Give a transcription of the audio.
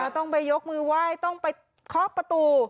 ต้องไปยกมือไหว้ต้องไปเคาะประตู